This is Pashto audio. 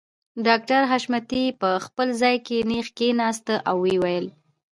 ډاکټر حشمتي په خپل ځای کې نېغ کښېناسته او ويې ويل